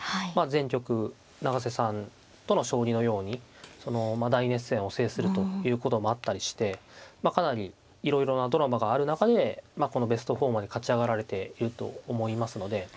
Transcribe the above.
前局永瀬さんとの将棋のように大熱戦を制するということもあったりしてまあかなりいろいろなドラマがある中でこのベスト４まで勝ち上がられていると思いますので。